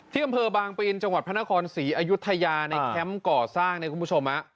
อำเภอบางปีนจังหวัดพระนครศรีอยุธยาในแคมป์ก่อสร้างเนี่ยคุณผู้ชม